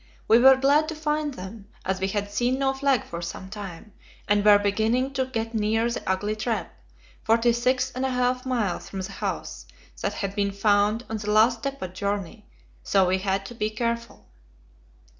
We were glad to find them, as we had seen no flag for some time, and were beginning to get near the ugly trap, forty six and a half miles from the house, that had been found on the last depot journey, so we had to be careful.